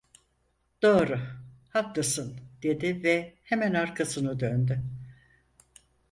"Doğru, haklısın!" dedi ve hemen arkasını döndü.